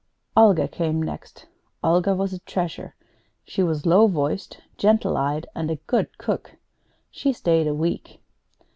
Olga came next. Olga was a Treasure. She was low voiced, gentle eyed, and a good cook. She stayed a week.